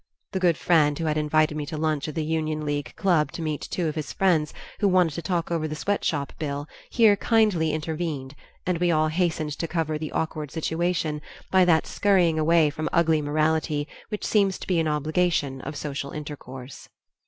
The good friend who had invited me to lunch at the Union League Club to meet two of his friends who wanted to talk over the sweat shop bill here kindly intervened, and we all hastened to cover the awkward situation by that scurrying away from ugly morality which seems to be an obligation of social intercourse.